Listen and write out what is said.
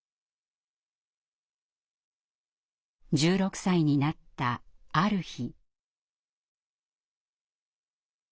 １６歳になったある日。